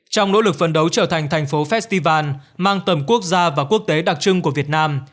trong nỗ lực phấn đấu trở thành thành phố festival mang tầm quốc gia và quốc tế đặc trưng của việt nam